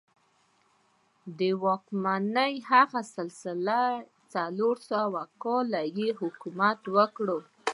د واکمنۍ هغه سلسله څلور سوه کاله یې حکومت وکړ.